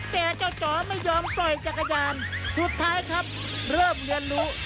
แต่เจ้าจ๋อไม่ยอมปล่อยจักรยานสุดท้ายครับเริ่มเรียนรู้